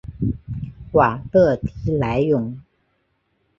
瓦勒迪莱永。